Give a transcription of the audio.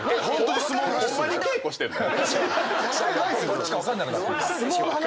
どっちか分かんなくなって。